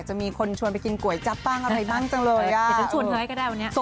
ก็เดี๋ยวน่าจะหลังปีใหม่ค่ะไปบ้านนอกค่ะ